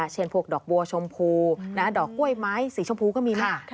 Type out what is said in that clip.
เช่นพวกดอกบัวชมพูดอกกล้วยไม้สีชมพูก็มีนะ